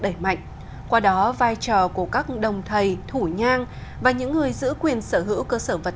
đẩy mạnh qua đó vai trò của các đồng thầy thủ nhang và những người giữ quyền sở hữu cơ sở vật